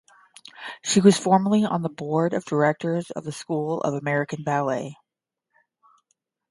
She was formerly on the board of directors of the School of American Ballet.